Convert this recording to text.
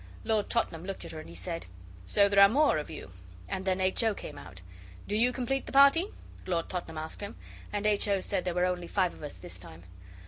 Lord Tottenham looked at her, and he said 'So there are more of you!' And then H. O. came out. 'Do you complete the party?' Lord Tottenham asked him. And H. O. said there were only five of us this time.